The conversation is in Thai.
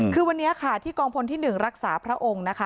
คือวันนี้ค่ะที่กองพลที่๑รักษาพระองค์นะคะ